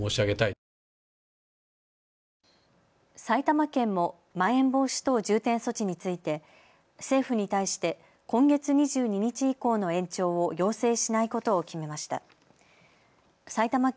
埼玉県もまん延防止等重点措置について政府に対して今月２２日以降の延長を要請しないことを決めました。